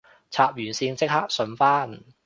插完線即刻順返